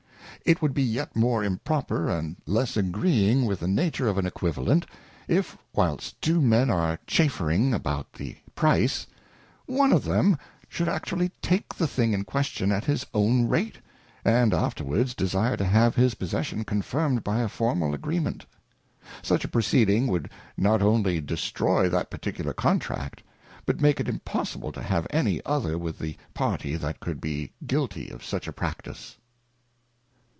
It would be yet more improper and less agreeing with the nature of an Equivalent, if whilst two Men are chaffering about the Price, one of them should actually take the thing in question at his own rate, and afterwards desire to have his possession confirmed by a formal Agreement ; such a proceeding would not only destroy that particular contract, but make it impossible to have any other with the party that could be guilty of such a practice.